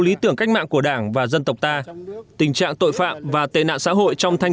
lý tưởng cách mạng của đảng và dân tộc ta tình trạng tội phạm và tệ nạn xã hội trong thanh